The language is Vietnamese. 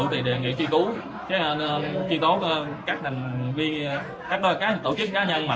thì đề nghị truy cứu truy tố các tổ chức cá nhân